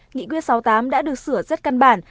nghị quyết sáu mươi tám đã được sửa rất căn bản